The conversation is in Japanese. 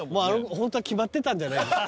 ホントは決まってたんじゃないですか？